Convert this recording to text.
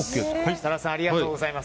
設楽さんありがとうございます。